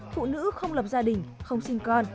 phụ nữ không lập gia đình không sinh con